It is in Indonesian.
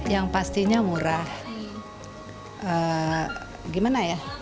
yang pastinya murah